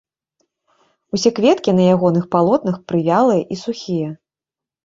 Усе кветкі на ягоных палотнах прывялыя і сухія.